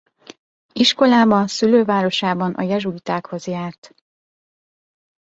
Iskolába szülővárosában a jezsuitákhoz járt.